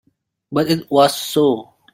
But it was so.